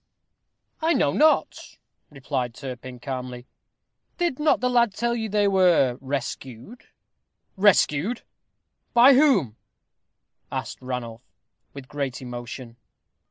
"I know not," replied Turpin, calmly. "Did not the lad tell you they were rescued?" "Rescued! by whom?" asked Ranulph, with great emotion.